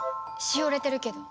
しおれてるけど。